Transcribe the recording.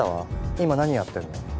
今何やってんの？